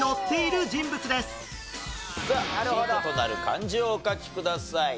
ヒントとなる漢字をお書きください。